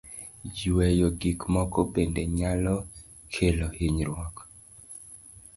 Yueyo gik moko bende nyalo kelo hinyruok.